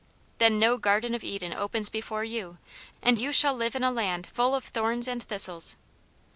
Then no Garden of Eden opens before you, and you shall live in a land full of thorns and thistles.